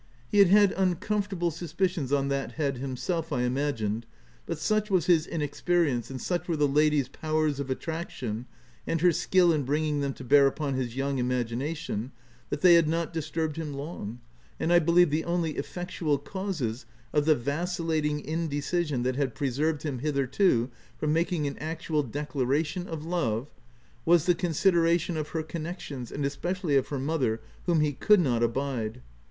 He had had uncomfortable suspicions on that head himself, I imagined, but such was his inexperience, and such were the lady's powers of attraction and her skill in bringing them to bear upon his young imagination, that they had not disturbed him long, and I believe the only effectual causes of the vacillating indecision that had pre served him hitherto from making an actual de claration of love, was the consideration of her connections, and especially of her mother, whom he could not abide.